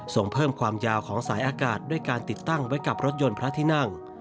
ส่งเพิ่มความยาวของสายอากาศด้วยการติดตั้งไว้กับรถยนต์พระที่นั่ง